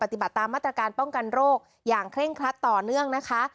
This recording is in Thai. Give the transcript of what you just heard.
ปฏิบัติตามมาตรการป้องกันโรคอย่างเคร่งครัดต่อเนื่องนะคะ